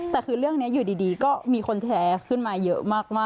แต่คือเรื่องนี้อยู่ดีก็มีคนแชร์ขึ้นมาเยอะมาก